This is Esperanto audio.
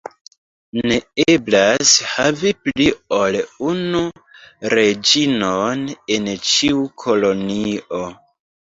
Ne eblas havi pli ol unu reĝinon en ĉiu kolonio.